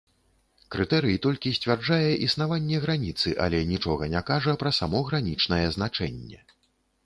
Крытэрый толькі сцвярджае існаванне граніцы, але нічога не кажа пра само гранічнае значэнне.